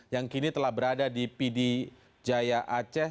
yang kini telah berada di pd jaya aceh